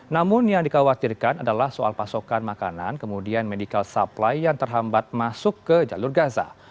namun yang dikhawatirkan adalah soal pasokan makanan kemudian medical supply yang terhambat masuk ke jalur gaza